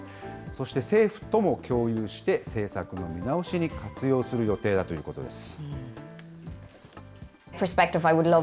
そして政府とも共有して、政策の見直しに活用する予定だということです。